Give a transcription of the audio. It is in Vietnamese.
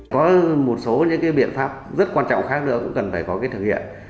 có một số những biện pháp rất quan trọng khác nữa cũng cần phải có thực hiện